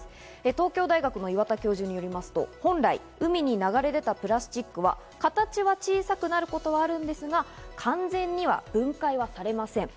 東京大学の岩田教授によりますと、本来、海に流れ出たプラスチックは形が小さくなることはあるんですが、完全には分解はされません。